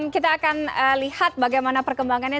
kita akan lihat bagaimana perkembangannya